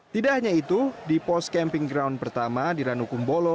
tidak hanya itu di pos camping ground pertama di ranukumbolo